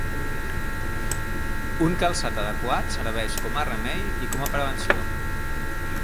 Un calçat adequat serveix com a remei i com a prevenció.